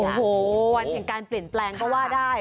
โอ้โหวันแห่งการเปลี่ยนแปลงก็ว่าได้